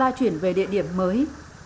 con sơ la chuyển về địa điểm mới